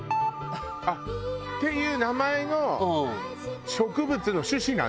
あっ！っていう名前の植物の種子なんだ。